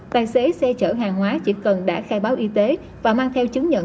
tài xế xe chở hàng hóa chỉ cần đã khai báo y tế và mang theo chứng nhận